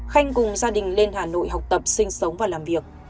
khanh cùng gia đình lên hà nội học tập sinh sống và làm việc